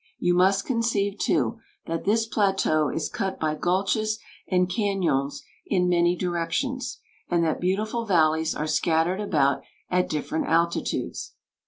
You must conceive, too, that this plateau is cut by gulches and cañons in many directions, and that beautiful valleys are scattered about at different altitudes.